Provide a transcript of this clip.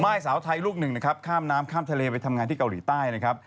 สาวไทยลูกหนึ่งนะครับข้ามน้ำข้ามทะเลไปทำงานที่เกาหลีใต้นะครับ